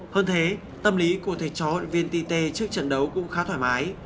hơn thế tâm lý của thầy chó viên tite trước trận đấu cũng khá thoải mái